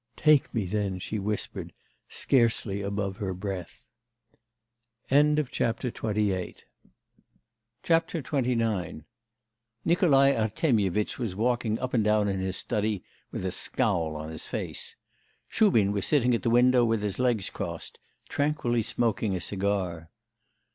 'Take me, then,' she whispered scarcely above her breath. XXIX Nikolai Artemyevitch was walking up and down in his study with a scowl on his face. Shubin was sitting at the window with his legs crossed, tranquilly smoking a cigar.